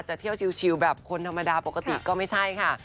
เที่ยวชิวแบบคนธรรมดาปกติก็ไม่ใช่ค่ะ